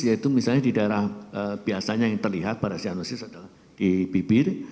yaitu misalnya di daerah biasanya yang terlihat pada cyanosis adalah di bibir